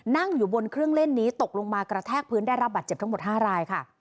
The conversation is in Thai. นั่งอยู่บนเครื่องเล่นนี้ตกลงมากระแทกพื้นได้รับบัตรเจ็บทั้งหมด๕รายค่ะ